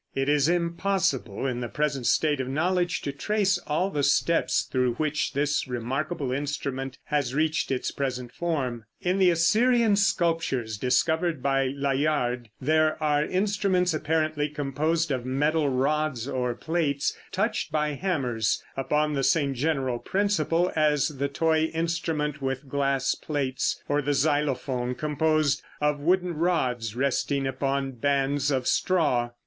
It is impossible in the present state of knowledge to trace all the steps through which this remarkable instrument has reached its present form. In the Assyrian sculptures discovered by Layard, there are instruments apparently composed of metal rods or plates, touched by hammers, upon the same general principle as the toy instrument with glass plates, or the xylophone composed of wooden rods resting upon bands of straw.